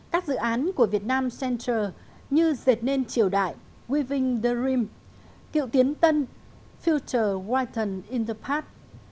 các dự án của vietnam center như dệt nên triều đại weaving the rim cựu tiến tân future writen in the path